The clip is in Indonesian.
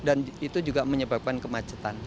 dan itu juga menyebabkan kemacetan